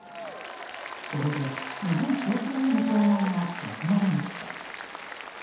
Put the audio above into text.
これで日本送還への障害がなくなりました。